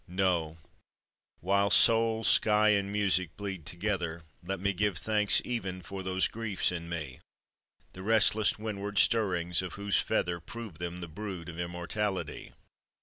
No; while soul, sky, and music bleed together, Let me give thanks even for those griefs in me, The restless windward stirrings of whose feather Prove them the brood of immortality.